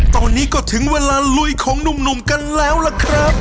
ตอนนี้ก็ถึงเวลาลุยของหนุ่มกันแล้วล่ะครับ